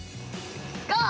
ゴー！